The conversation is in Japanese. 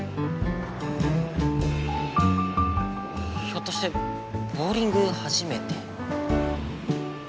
ひょっとしてボーリング初めて？